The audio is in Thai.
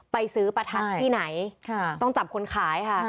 ไปซื้อประทัดที่ไหนต้องจับคนขายค่ะ